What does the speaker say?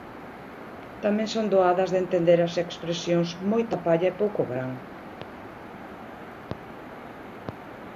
Tamén son doadas de entender as expresións moita palla e pouco gran.